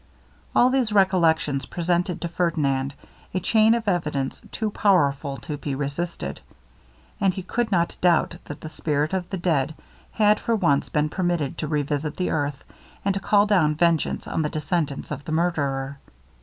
All these recollections presented to Ferdinand a chain of evidence too powerful to be resisted; and he could not doubt that the spirit of the dead had for once been permitted to revisit the earth, and to call down vengeance on the descendants of the murderer.